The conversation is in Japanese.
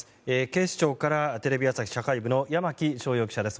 警視庁からテレビ朝日社会部の山木翔遥記者です。